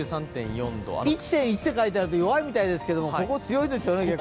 １．１と書いてあると弱いみたいですけどここ強いですよね。